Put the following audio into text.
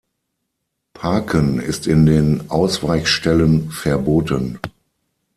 Parken ist in den Ausweichstellen verboten.